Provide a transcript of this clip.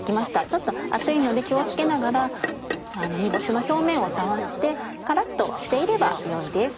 ちょっと熱いので気を付けながら煮干しの表面を触ってカラっとしていれば良いです。